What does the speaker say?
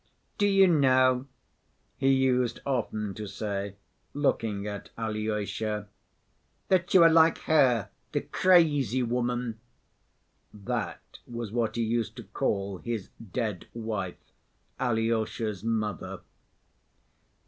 "Do you know," he used often to say, looking at Alyosha, "that you are like her, 'the crazy woman' "—that was what he used to call his dead wife, Alyosha's mother.